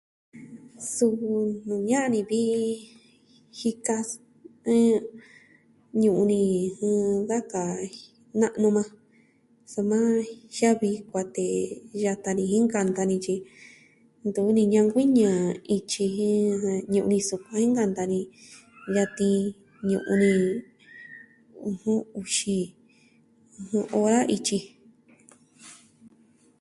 Suu nuu ña'an ni vi jika jen ñu'un ni da kaa na'nu maa, soma jiavi kuatee yata ni jen nkanta ni tyi ntuvi ni ñankuiñɨ jɨn ityi jen ñu'un ni sukuan jen nkanta ni yatin ñu'un ni, ɨjɨn, uxi ora ityi.